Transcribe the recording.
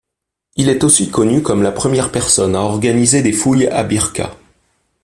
Il est aussi connu comme la première personne à organiser des fouilles à Birka.